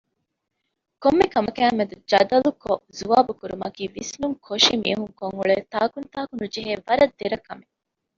ކޮންމެކަމަކާމެދުގައި ޖަދަލުކޮށް ޒުވާބުކުރުމަކީ ވިސްނުންކޮށި މީހުންކޮށްއުޅޭ ތާކުންތާކުނުޖެހޭ ވަރަށް ދެރަކަމެއް